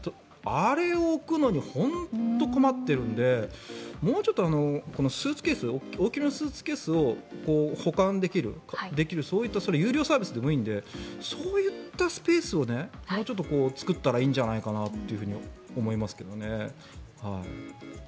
あれを置くのに本当に困っているのでもうちょっとスーツケース大きめのスーツケースを保管できるそういった有料サービスでもいいのでそういったスペースを作ったらいいんじゃないかなと思いますけどね。